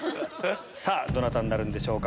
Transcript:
さぁどなたになるんでしょうか？